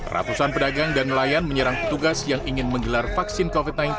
ratusan pedagang dan nelayan menyerang petugas yang ingin menggelar vaksin covid sembilan belas